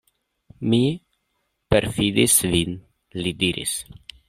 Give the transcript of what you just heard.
Mi perﬁdis vin, li diris.